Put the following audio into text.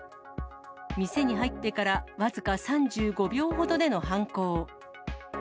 店に入ってから僅か３５秒ほどでの犯行。